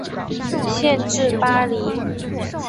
县治巴黎。